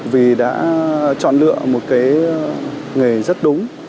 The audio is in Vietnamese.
vì đã chọn lựa một cái nghề rất đúng